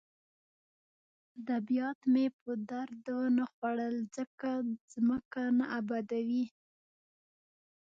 ادبیات مې په درد ونه خوړل ځکه ځمکه نه ابادوي